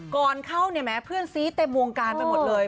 ก่อนเข้าเนี่ยแม้เพื่อนซีเต็มวงการไปหมดเลย